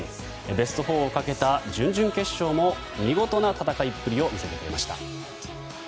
ベスト４をかけた準々決勝も見事な戦いぶりを見せてくれました。